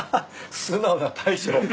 素直な大将。